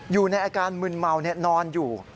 อยู่ในอาการมึนเมานอนอยู่